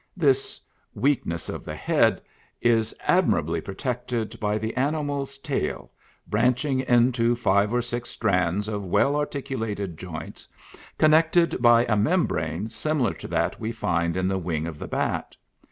This weakness of the head is admirably protected by the animal's tail, branching into five or six strands of well articulated joints, con nected by a membrane similar to that we find in the wing of the Bat.